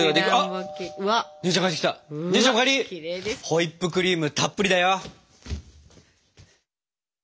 ホイップクリームたっぷりだよ。